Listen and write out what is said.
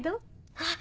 あっ！